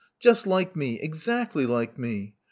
Just like me: exactly like me.